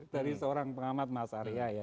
dari seorang pengamat mas arya ya